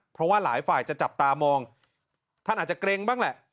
เพราะว่าหลายฝ่ายจะจับตามองท่านอาจจะเกรงบ้างแหละ